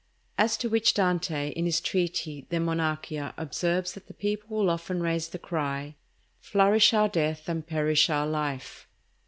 As to which Dante, in his treatise "De Monarchia," observes that the people will often raise the cry, "Flourish our death and perish our life."